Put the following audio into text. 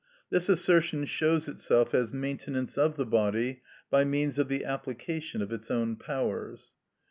This assertion shows itself as maintenance of the body, by means of the application of its own powers.